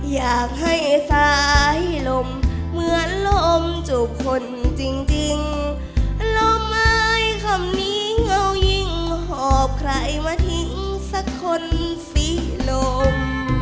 อยากให้สายลมเหมือนลมจูบคนจริงลมหายคำนี้เงายิ่งหอบใครมาทิ้งสักคนสิลม